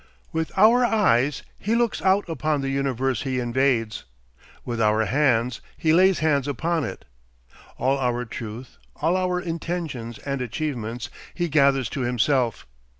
With our eyes he looks out upon the universe he invades; with our hands, he lays hands upon it. All our truth, all our intentions and achievements, he gathers to himself.